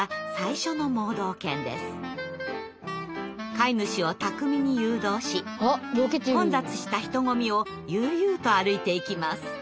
飼い主を巧みに誘導し混雑した人混みを悠々と歩いていきます。